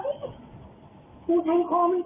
กูแทงคอมันไปมึงป่ะ